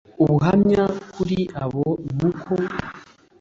ubuhamya kuri bo no ku